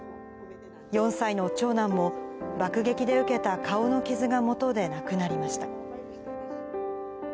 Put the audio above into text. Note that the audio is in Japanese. ４歳の長男も、爆撃で受けた顔の傷がもとで亡くなりました。